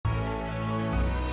masih ada aja